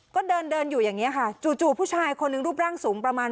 ก็เดินเดินอยู่อย่างนี้ค่ะจู่ผู้ชายคนหนึ่งรูปร่างสูงประมาณ